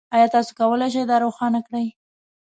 ایا تاسو کولی شئ دا روښانه کړئ؟